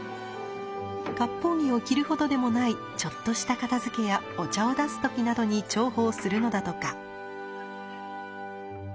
割烹着を着るほどでもないちょっとした片づけやお茶を出す時などに重宝するのだとか。